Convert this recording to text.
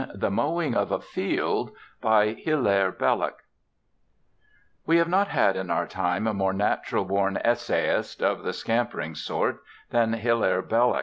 THE MOWING OF A FIELD By HILAIRE BELLOC We have not had in our time a more natural born essayist, of the scampering sort, than Hilaire Belloc.